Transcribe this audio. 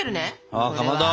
あっかまど。